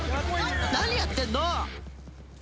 何やってんの！？